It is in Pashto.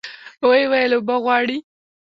ويې ويل اوبه غواړي.